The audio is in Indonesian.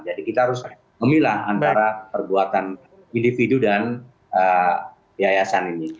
jadi kita harus memilah antara perbuatan individu dan piayasan ini